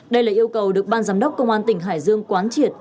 đây là yêu cầu được ban giám đốc công an tỉnh hải dương quán triệt